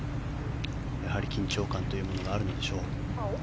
やはり緊張感というものがあるのでしょう。